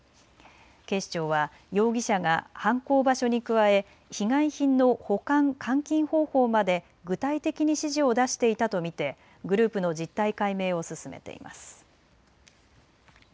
警視庁は容疑者が犯行場所に加え被害品の保管、換金方法まで具体的に指示を出していたと見てグループの実態解明を進めています。